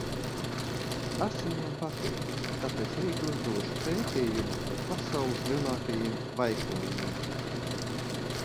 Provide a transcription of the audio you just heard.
Tas viņam patīk, tāpēc rīt uzdošu pētījumu par pasaules lielākajiem tvaikoņiem.